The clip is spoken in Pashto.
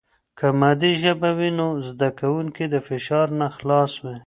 که مادي ژبه وي، نو زده کوونکي د فشار نه خلاص وي.